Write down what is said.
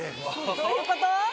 どういうこと？